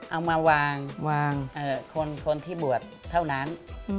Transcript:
เอามาวางคนที่บวชเท่านั้น